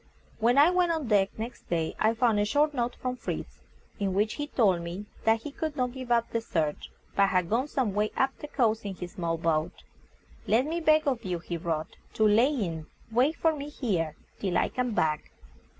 When I went on deck next day I found a short note from Fritz, in which he told me that he could not give up the search, but had gone some way up the coast in his small boat. "Let me beg of you," he wrote, "to lie in wait for me here till I come back."